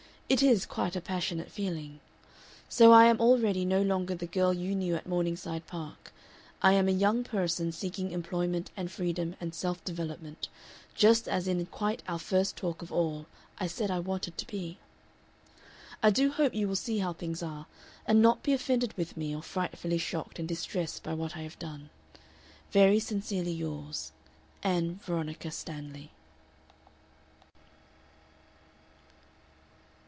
It is quite a passionate feeling. So I am already no longer the girl you knew at Morningside Park. I am a young person seeking employment and freedom and self development, just as in quite our first talk of all I said I wanted to be. "I do hope you will see how things are, and not be offended with me or frightfully shocked and distressed by what I have done. "Very sincerely yours, "ANN VERONICA STANLEY."